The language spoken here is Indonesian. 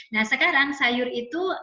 nah sekarang sayur itu